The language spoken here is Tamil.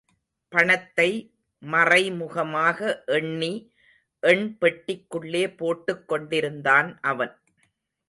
பணத்தை மறைமுகமாக எண்ணி எண் பெட்டிக்குள்ளே போட்டுக் கொண்டிருந்தான் அவன்.